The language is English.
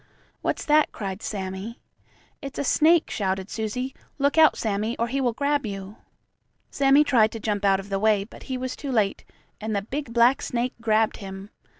"What's that?" cried Sammie. "It's a snake!" shouted Susie. "Look out, Sammie, or he will grab you." Sammie tried to jump out of the way, but he was too late, and the big black snake grabbed him.